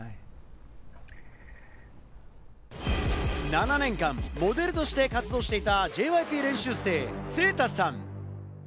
７年間、モデルとして活動していたＪＹＰ練習生・セイタさん。